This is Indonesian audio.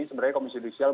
sebenarnya komisi judisial